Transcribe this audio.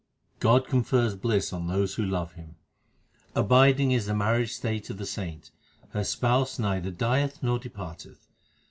God confers bliss on those who love Him : Abiding is the marriage state of the saint ; her Spouse neither dieth nor departeth.